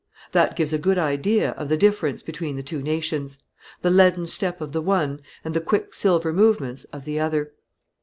That gives a good idea of the difference between the two nations the leaden step of the one and the quicksilver movements of the other.